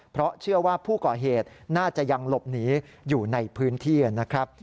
เพราะเชื่อว่าผู้ก่อเหตุน่าจะยังหลบหนีอยู่ในพื้นที่นะครับ